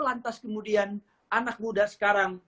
lantas kemudian anak muda sekarang